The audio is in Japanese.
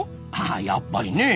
あやっぱりねえ。